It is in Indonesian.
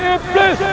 jangan jadi saksi